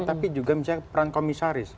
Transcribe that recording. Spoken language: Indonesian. tapi juga misalnya peran komisaris